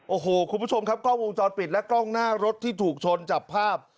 โอ้โหคุณผู้ชมครับกล้องวงจรปิดและกล้องหน้ารถที่ถูกชนจับภาพ